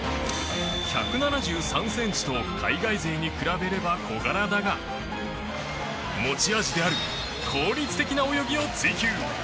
１７３ｃｍと海外勢に比べれば小柄だが持ち味である効率的な泳ぎを追求。